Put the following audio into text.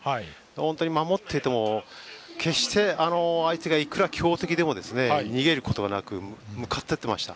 本当に守っていて決して相手がいくら強敵でも逃げることなく向かっていっていました。